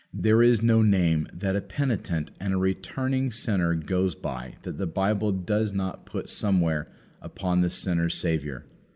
There is no name that a penitent and a returning sinner goes by that the Bible does not put somewhere upon the sinner's Saviour.